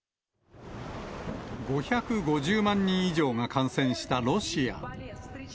５５０万人以上が感染したロシア。